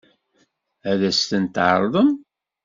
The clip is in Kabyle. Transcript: Ad as-ten-tɛeṛḍem?